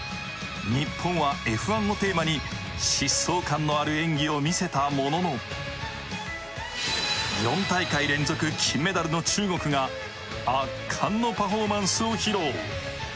日本はＦ１をテーマに疾走感のある演技を見せたものの４大会連続金メダルの中国が圧巻のパフォーマンスを披露。